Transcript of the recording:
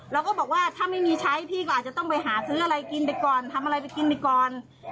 เราก็บอกว่าถ้าไม่มีใช้พี่ก็อาจจะต้องไปหาซื้ออะไรกินไปก่อนทำอะไรไปกินไปก่อน